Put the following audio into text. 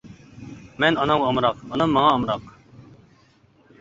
مەن ئانامغا ئامراق، ئانام ماڭا ئامراق.